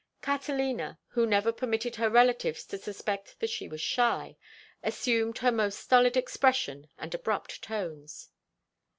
Catalina, who never permitted her relatives to suspect that she was shy, assumed her most stolid expression and abrupt tones.